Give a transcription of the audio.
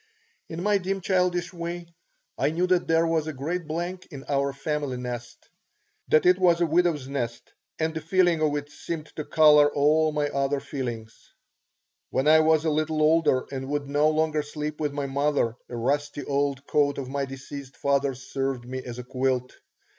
In my dim childish way I knew that there was a great blank in our family nest, that it was a widow's nest; and the feeling of it seemed to color all my other feelings. When I was a little older and would no longer sleep with my mother, a rusty old coat of my deceased father's served me as a quilt.